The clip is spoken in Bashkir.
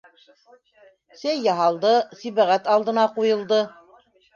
Сәй яһалды, Сибәғәт алдына ҡуйылды.